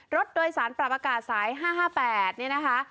รถโดยสารปรับอากาศสาย๕๕๘นี่นะคะ